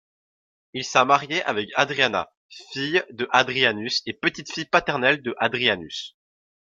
Il s'a marié avec Hadriana, fille de Hadrianus et petite-fille paternelle de Hadrianus.